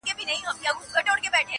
دا د کهف د اصحابو د سپي خپل دی-